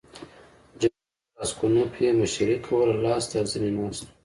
جنرال راسګونوف یې مشري کوله لاس تر زنې ناست وو.